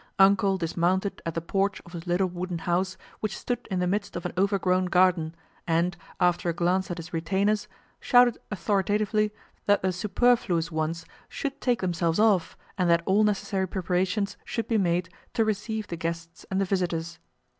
"Uncle" dismounted at the porch of his little wooden house which stood in the midst of an overgrown garden and, after a glance at his retainers, shouted authoritatively that the superfluous ones should take themselves off and that all necessary preparations should be made to receive the guests and the visitors.